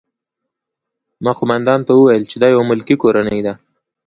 ما قومندان ته وویل چې دا یوه ملکي کورنۍ ده